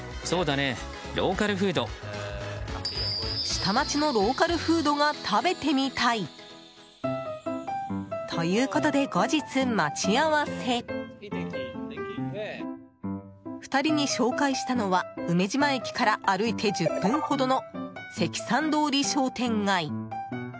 下町のローカルフードが食べてみたい！ということで後日、待ち合わせ２人に紹介したのは梅島駅から歩いて１０分ほどの関三通り商店街。